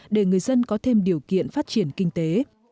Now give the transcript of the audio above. để người dân có thêm điều kiện phát triển kinh tế